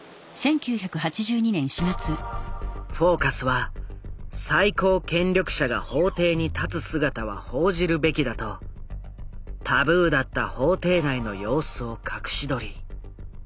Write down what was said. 「フォーカス」は最高権力者が法廷に立つ姿は報じるべきだとタブーだった法廷内の様子を隠し撮り。